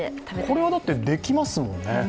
これはできますもんね。